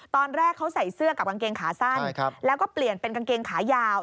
ตอนแรกเขาใส่เสื้อกับกางเกงขาสั้นแล้วก็เปลี่ยนเป็นกางเกงขายาว